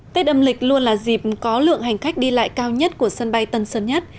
tết âm lịch luôn là dịp có lượng hành khách đi lại cao nhất của sân bay tân sơn nhất